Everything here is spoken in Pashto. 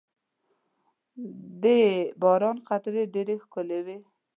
• د باران قطرې ډېرې ښکلي وي.